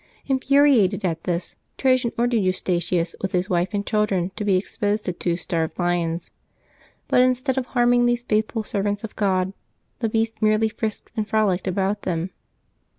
Infuriated at this, Trajan ordered Eustachius with his wife and children to be exposed to two starved lions; but instead of harming these faithful servants of God, the beasts merely frisked and frolicked about them.